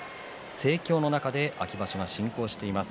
盛況の中で、秋場所が進行しています。